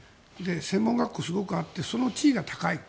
専門学校すごくあってその地位が高い。